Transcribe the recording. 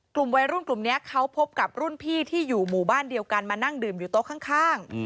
กลุ่มวัยรุ่นกลุ่มนี้เขาพบกับรุ่นพี่ที่อยู่หมู่บ้านเดียวกันมานั่งดื่มอยู่โต๊ะข้าง